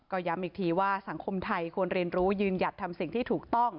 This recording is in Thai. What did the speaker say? ก็ย้ำอีกทีว่าสังคมไทยควรเรียนรู้ยืนหยัดทำสิ่งที่ถูกต้อง